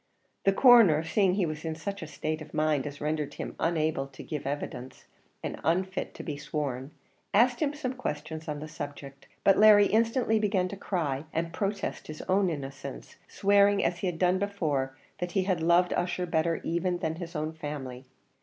The Coroner, seeing he was in such a state of mind as rendered him unable to give evidence and unfit to be sworn, asked him some questions on the subject, but Larry instantly began to cry, and protest his own innocence, swearing, as he had done before, that he had loved Ussher better even than his own family.